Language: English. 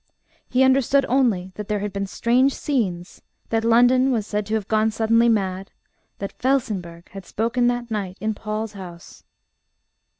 He understood only that there had been strange scenes, that London was said to have gone suddenly mad, that Felsenburgh had spoken that night in Paul's House.